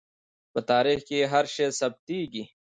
په تاریخ کې هر شی ثبتېږي.